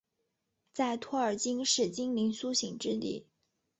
在托尔金是精灵苏醒之地。